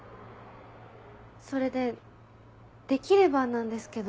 それでできればなんですけど。